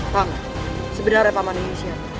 bang sebenarnya pak mani ngisah